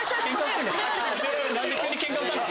何で急にケンカ売った。